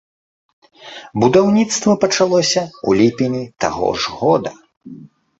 Будаўніцтва пачалося ў ліпені таго ж года.